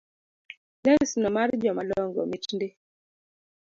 Lesno mar jomadongo mit ndi